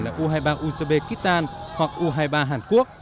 là u hai mươi ba ugb kitan hoặc u hai mươi ba hàn quốc